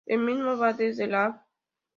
El mismo va desde la av.